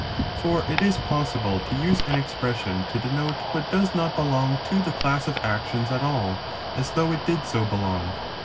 For it is possible to use an expres sion to denote what does not belong to the class of actions at all as though it did so belong.